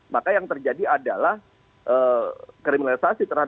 maka yang terjadi adalah kriminalisasi